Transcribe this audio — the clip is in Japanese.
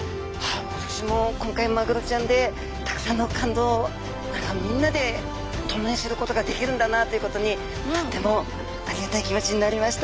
私も今回マグロちゃんでたくさんの感動をみんなで共にすることができるんだなということにとってもありがたい気持ちになりました。